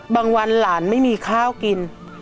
วันหลานไม่มีข้าวกิน